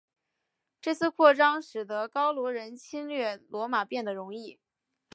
这次扩张使得高卢人侵略罗马变得容易。